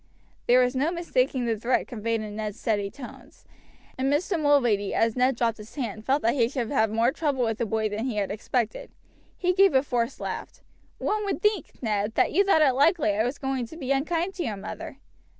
There was no mistaking the threat conveyed in Ned's steady tones, and Mr. Mulready, as Ned dropped his hand, felt that he should have more trouble with the boy than he had expected. He gave a forced laugh. "One would think, Ned, that you thought it likely I was going to be unkind to your mother."